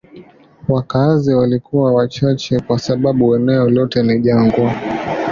Wakazi walikuwa wachache kwa sababu eneo lote ni jangwa.